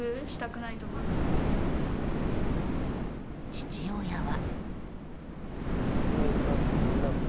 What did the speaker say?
父親は。